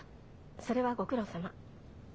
それはご苦労さま。